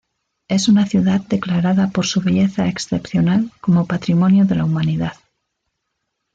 Es una ciudad declarada por su belleza excepcional como Patrimonio de la Humanidad.